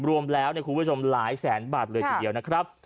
รวมแล้วคุณผู้ชมหลายแสนบาทเลยทีเดียวนะครับ